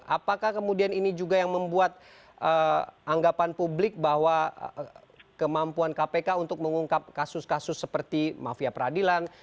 apakah kemudian ini juga yang membuat anggapan publik bahwa kemampuan kpk untuk mengungkap kasus kasus seperti mafia peradilan